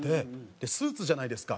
でスーツじゃないですか。